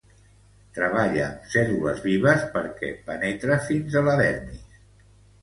Treballa amb cèl·lules vives perquè penetra fins a la dermis.